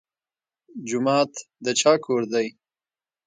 جومات د چا کور دی؟